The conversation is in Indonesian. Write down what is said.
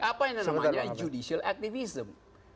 apa yang namanya judicial activism